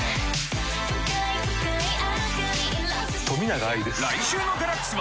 冨永愛です。